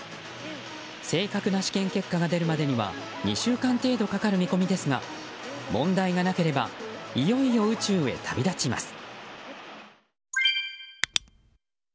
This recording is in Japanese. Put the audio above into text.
正確な試験結果が出るまでに２週間程度かかる見込みですが問題がなければいよいよ宇宙へ飛び立ちます。